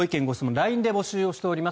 ＬＩＮＥで募集しています。